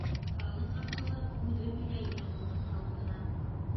Халыҡ аҡылы үҙе һөйләй ине уның ауыҙынан.